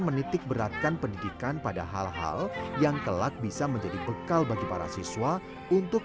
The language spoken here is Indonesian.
menitik beratkan pendidikan pada hal hal yang kelak bisa menjadi bekal bagi para siswa untuk